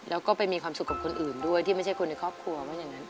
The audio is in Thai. แล้วก็ไปมีความสุขกับคนอื่นด้วยที่ไม่ใช่คนในครอบครัวว่าอย่างนั้น